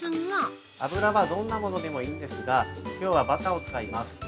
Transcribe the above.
◆油はどんなものでもいいんですが、きょうはバターを使います。